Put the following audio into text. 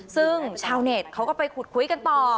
ซึ่งชาวเน็ตเขาก็ไปขุดคุยกันต่อ